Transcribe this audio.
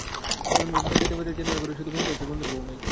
এমন ভাব দেখাইতে পারে যেন এঘরে শুধু বন্ধু আছে, বন্ধুর বৌ নাই।